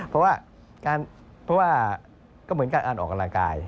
เพราะว่าเพราะว่าก็เหมือนการอ่านออกกำลังกาย